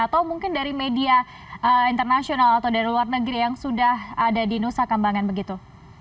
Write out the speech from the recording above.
atau mungkin dari media internasional atau dari luar negeri yang sudah ada di nusa kambangan begitu